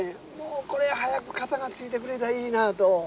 これは早く片がついてくれたらいいなと。